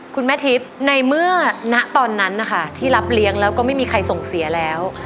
คุณแม่ทิพย์ในเมื่อณตอนนั้นนะคะที่รับเลี้ยงแล้วก็ไม่มีใครส่งเสียแล้ว